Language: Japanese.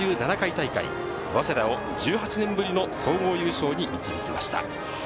そして監督として８７回大会、早稲田を１８年ぶりの総合優勝に導きました。